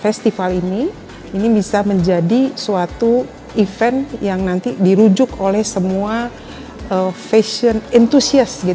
festival ini ini bisa menjadi suatu event yang nanti dirujuk oleh semua fashion entusiast